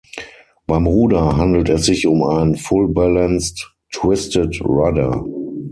Beim Ruder handelt es sich um ein „full balanced twisted rudder“.